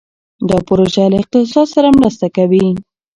دا پروژه له اقتصاد سره مرسته کوي.